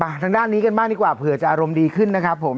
ทางด้านนี้กันบ้างดีกว่าเผื่อจะอารมณ์ดีขึ้นนะครับผม